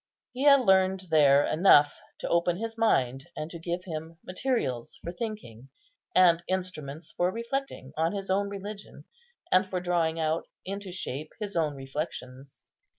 He had learned there enough to open his mind, and to give him materials for thinking, and instruments for reflecting on his own religion, and for drawing out into shape his own reflections.